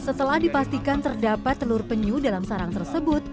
setelah dipastikan terdapat telur penyu dalam sarang tersebut